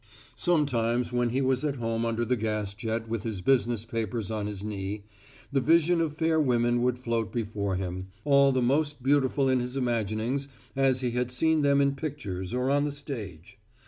Sometimes when he was at home under the gas jet with his business papers on his knee, the vision of fair women would float before him, all the most beautiful in his imaginings as he had seen them in pictures or on the stage.